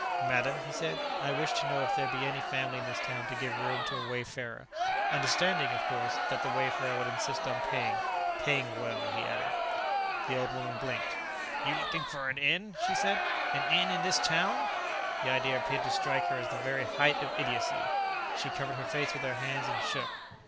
"Madam," he said, "I wish to know if there be any family in this town to give room to a wayfarer understanding, of course, that the wayfarer would insist on paying. Paying well," he added. The old woman blinked. "You looking for an inn?" she said. "An inn in this town?" The idea appeared to strike her as the very height of idiocy. She covered her face with her hands and shook.